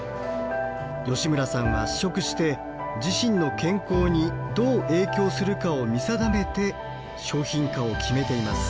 吉村さんは試食して自身の健康にどう影響するかを見定めて商品化を決めています。